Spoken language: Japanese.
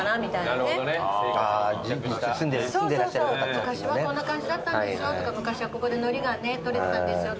昔はこんな感じだったんですよとか昔はここで海苔が採れてたんですよとか。